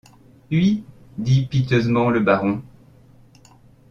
Ui! dit piteusement le baron.